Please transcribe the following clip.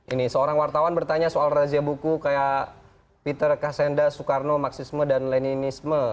ini seorang wartawan bertanya soal razia buku kayak peter kassenda soekarno marxisme dan leninisme